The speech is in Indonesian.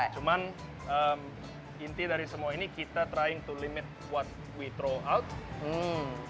cuman inti dari semua ini kita mencoba untuk mengatur apa yang kita keluarkan